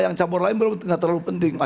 yang campur lain bukan terlalu penting